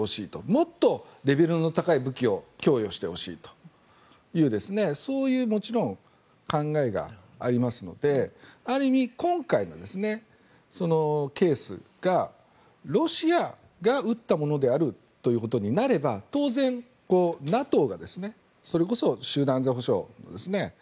もっとレベルの高い武器を供与してほしいというそういうもちろん考えがありますのである意味、今回のケースがロシアが撃ったものであるということになれば当然、ＮＡＴＯがそれこそ集団安全保障ですね